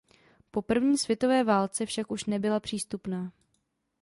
Po první světové válce však už nebyla přístupná.